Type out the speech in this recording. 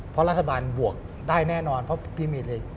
เพราะรัฐบาลบวกได้แน่นอนเพราะพี่มีเลย